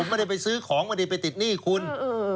ไม่ได้ไปซื้อของไม่ได้ไปติดหนี้คุณ